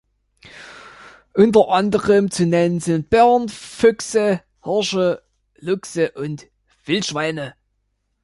Unter anderem zu nennen sind Bären, Füchse, Hirsche, Luchse und Wildschweine.